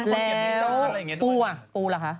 แล้วปู้แล้ว